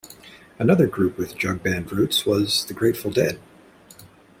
Another group with jug band roots was the Grateful Dead.